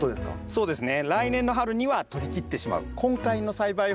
そうですね。